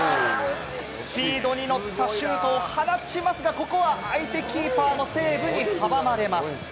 スピードに乗ったシュートを放ちますが、ここは相手キーパーのセーブに阻まれます。